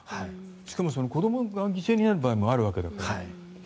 しかも子どもが犠牲になる場合もあるわけだから。